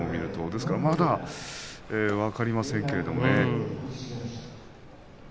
ですからまだ分かりませんけれどもね。